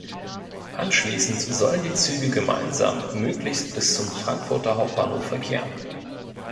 Anschließend sollen die Züge gemeinsam möglichst bis zum Frankfurter Hauptbahnhof verkehren.